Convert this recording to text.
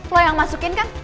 lo yang masukin kan